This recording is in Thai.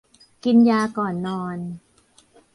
กินยาก่อนนอน